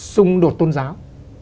xung đột tôn giáo